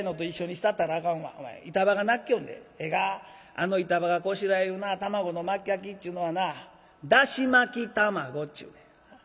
あの板場がこしらえるな卵の巻焼きっちゅうのはなだし巻き卵っちゅうねん。